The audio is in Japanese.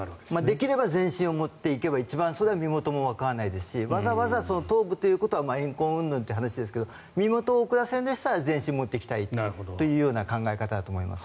できれば全身を持っていけばそれは身元もわからないですしわざわざ頭部ということはえん恨うんぬんという話ですが身元を遅らせるのでしたら全身を持っていきたいんだと思います。